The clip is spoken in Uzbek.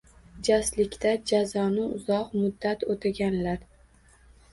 Jaslikda jazoni uzoq muddat o'taganlar.